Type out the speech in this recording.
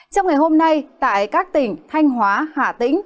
trong ngày hôm nay tại các tỉnh thanh hóa hà tĩnh